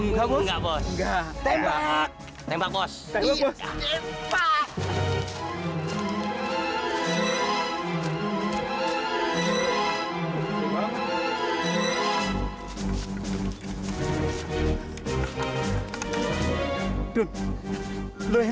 nggak nggak jan nggak lagi jan